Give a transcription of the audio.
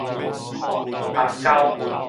涵溝